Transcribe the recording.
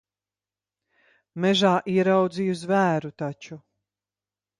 Mežā ieraudzīju zvēru taču.